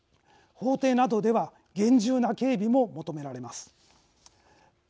法廷などでは厳重な警備も求められます。